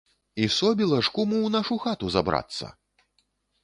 І собіла ж куму ў нашу хату забрацца?